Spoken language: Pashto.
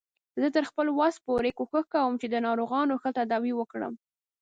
زه تر خپل وس پورې کوښښ کوم چې د ناروغانو ښه تداوی وکړم